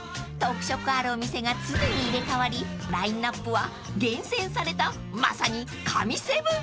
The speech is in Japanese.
［特色あるお店が常に入れ替わりラインアップは厳選されたまさに神７］